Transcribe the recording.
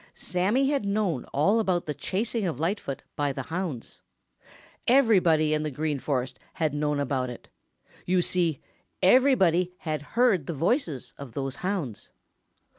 Sammy had known all about the chasing of Lightfoot by the hounds. Everybody in the Green Forest had known about it. You see, everybody had heard the voices of those hounds.